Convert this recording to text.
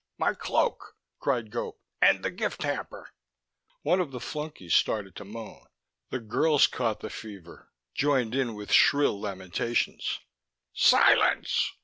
"My cloak," cried Gope. "And the gift hamper." One of the flunkies started to moan. The girls caught the fever, joined in with shrill lamentations. "Silence!"